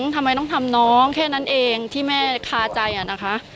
ทำไมต้องทำน้องแค่นั้นเองที่แม่คาใจอะนะคะ